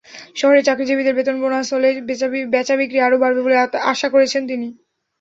শহরের চাকরিজীবীদের বেতন-বোনাস হলে বেচাবিক্রি আরও বাড়বে বলে আশা করছেন তিনি।